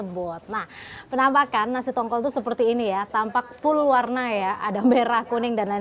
bot nah penampakan nasi tongkol itu seperti ini ya tampak full warna ya ada merah kuning dan lain